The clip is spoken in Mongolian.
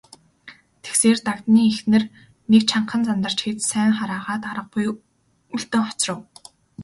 Тэгсээр, Дагданы эхнэр нэг чангахан зандарч хэд сайн хараагаад арга буюу үлдэн хоцров.